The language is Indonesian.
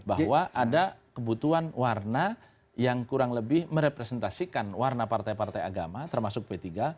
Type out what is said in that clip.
bahwa ada kebutuhan warna yang kurang lebih merepresentasikan warna partai partai agama termasuk p tiga